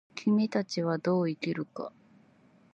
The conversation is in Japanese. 君たちはどう生きるか。